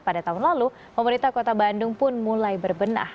pada tahun lalu pemerintah kota bandung pun mulai berbenah